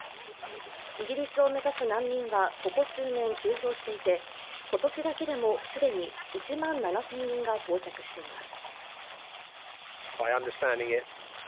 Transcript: イギリスを目指す難民はここ数年急増していて今年だけでも既に１万７０００人が到着しています。